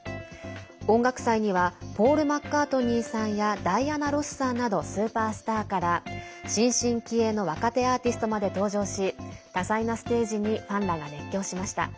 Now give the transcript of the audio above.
音楽祭にはポール・マッカートニーさんやダイアナ・ロスさんなどスーパースターから新進気鋭の若手アーティストまで登場し多彩なステージにファンらが熱狂しました。